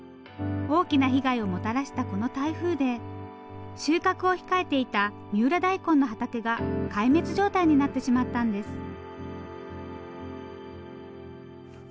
大きな被害をもたらしたこの台風で収穫を控えていた三浦大根の畑が壊滅状態になってしまったんです。